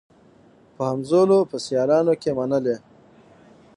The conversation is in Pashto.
په همزولو په سیالانو کي منلې